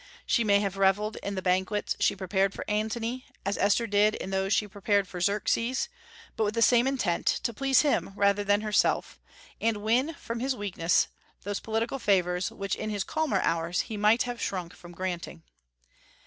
She may have revelled in the banquets she prepared for Antony, as Esther did in those she prepared for Xerxes; but with the same intent, to please him rather than herself, and win, from his weakness, those political favors which in his calmer hours he might have shrunk from granting.